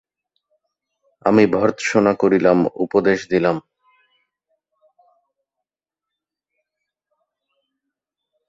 আমি ভর্ৎসনা করিলাম, উপদেশ দিলাম।